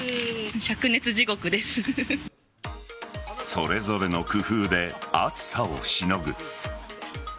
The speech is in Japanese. それぞれの工夫で暑さをしのぐ。